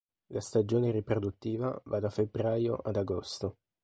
La stagione riproduttiva va da febbraio ad agosto.